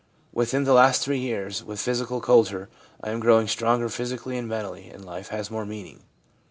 Within the last three years, with physical culture, I am growing stronger physically and mentally, and life has more meaning.'